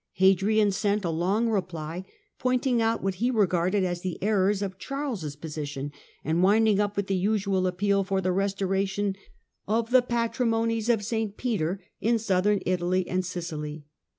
Hadrian sent a long reply, pointing out what he regarded as the errors of Charles' position, and winding up with the usual ap peal for the restoration of the " Patrimonies of St. Peter " in Southern Italy and Sicily.